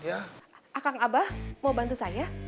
akang abah mau bantu saya